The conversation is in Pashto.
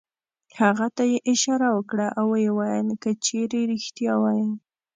هغه ته یې اشاره وکړه او ویې ویل: که چېرې رېښتیا وایې.